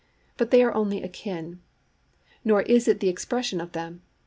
But they are only akin. Nor is it the expression of them.